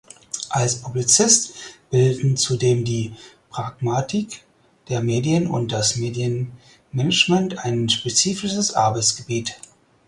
Als Publizist bilden zudem die Pragmatik der Medien und das Medienmanagement ein spezifisches Arbeitsgebiet.